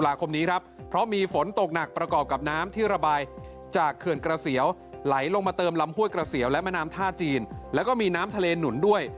และแม่น้ำท่าจีนและก็มีน้ำทะเลหนุนด้วย